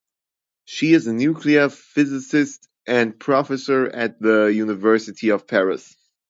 She is a nuclear physicist and professor at the University of Paris.